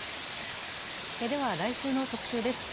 来週の特集です。